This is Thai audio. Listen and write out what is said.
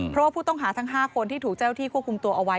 เพราะว่าผู้ต้องหาทั้ง๕คนที่ถูกเจ้าที่ควบคุมตัวเอาไว้